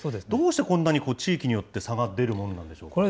どうしてこんなに地域によって差が出るもんなんでしょう。